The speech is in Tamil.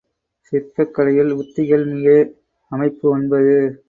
சிற்பக் கலையில் உத்திகள் மிகை அமைப்பு ஒன்பது.